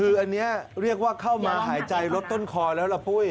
คืออันนี้เรียกว่าเข้ามาหายใจลดต้นคอแล้วล่ะปุ้ย